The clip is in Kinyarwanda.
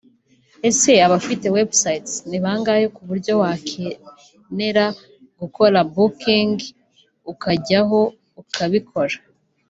Ese abafite websites ni bangahe ku buryo wakenera gukora Booking ukajyaho ukabikora